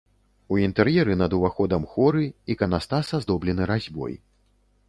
У інтэр'еры над уваходам хоры, іканастас аздоблены разьбой.